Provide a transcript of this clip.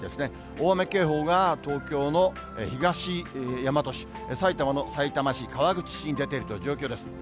大雨警報が東京の東大和市、埼玉のさいたま市、川口市に出ているという状況です。